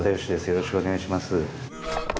よろしくお願いします。